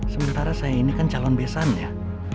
sementara saya ini kan calon besannya